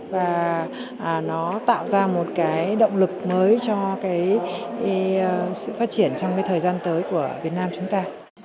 và nó tạo ra một cái động lực mới cho cái sự phát triển trong cái thời gian tới của việt nam chúng ta